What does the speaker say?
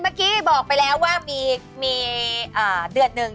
เมื่อกี้บอกไปแล้วว่ามีเดือนหนึ่ง